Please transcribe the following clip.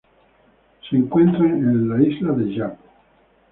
Se encuentran en la isla de Yap.